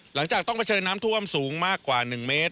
หลังจากต้องเผชิญน้ำท่วมสูงมากกว่า๑เมตร